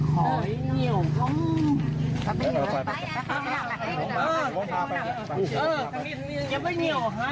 กลับไป